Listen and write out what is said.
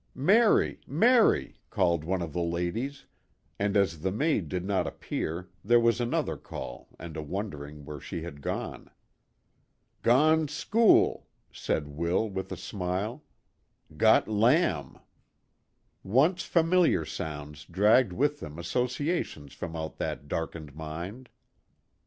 " Mary, Mary," called one of the ladies, and as the maid did not appear, there was another call and a wondering where she had gone. " Gone school" said Will, with a smile, "got lamb" Once familiar sounds dragged with them associations from out that darkened mind.